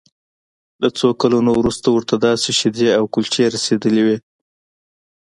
له څو کلونو وروسته ورته داسې شیدې او کلچې رسیدلې وې